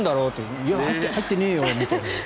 いや、入ってねえよみたいな。